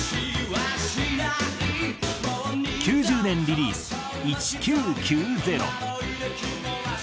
９０年リリース『１９９０』。